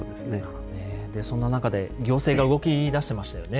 そんな中で行政が動き出してましたよね。